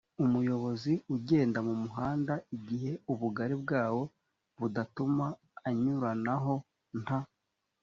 umuyobozi ugenda mu muhanda igihe ubugari bwawo budatuma anyuranaho nta